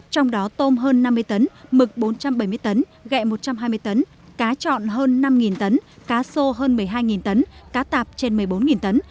trong đó tôm hơn năm mươi tấn mực bốn trăm bảy mươi tấn gẹ một trăm hai mươi tấn cá trọn hơn năm tấn cá sô hơn một mươi hai tấn cá tạp trên một mươi bốn tấn